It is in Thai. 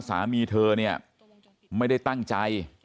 สามีเธอเนี่ยไม่ได้ตั้งใจ